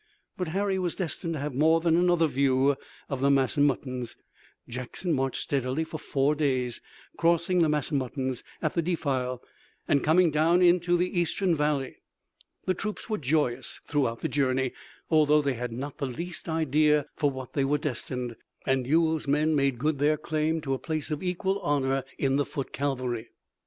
But Harry was destined to have more than another view of the Massanuttons. Jackson marched steadily for four days, crossing the Massanuttons at the defile, and coming down into the eastern valley. The troops were joyous throughout the journey, although they had not the least idea for what they were destined, and Ewell's men made good their claim to a place of equal honor in the foot cavalry.